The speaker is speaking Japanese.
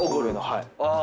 はい。